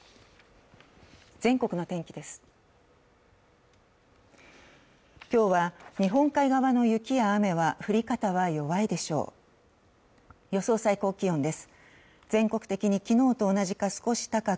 全国の天気です。